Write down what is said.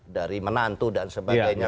dari menantu dan sebagainya